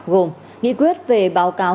gồm nghị quyết về báo cáo